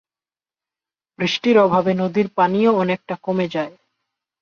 বৃষ্টির অভাবে নদীর পানিও অনেকটা কমে যায়।